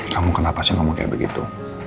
kamu kenapa sih ngomong kayak begitu